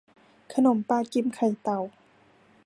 ขนมปลากิมไข่เต่า